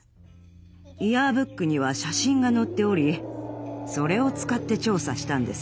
イヤーブックには写真が載っておりそれを使って調査したんです。